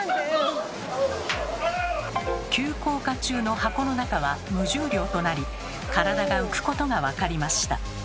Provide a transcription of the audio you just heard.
急降下中の箱の中は無重量となり体が浮くことが分かりました。